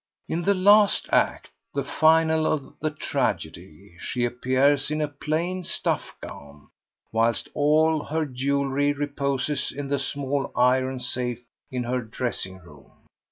In the last act—the finale of the tragedy—she appears in a plain stuff gown, whilst all her jewellery reposes in the small iron safe in her dressing room.